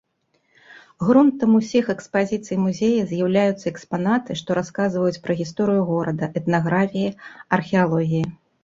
Грунтам усіх экспазіцый музея з'яўляюцца экспанаты, што расказваюць пра гісторыю горада, этнаграфіі, археалогіі.